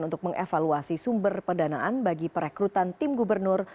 untuk mengevaluasi sumber pendanaan bagi perekrutan tim gubernur